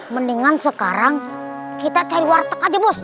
mendingan sekarang kita cari warteg aja bos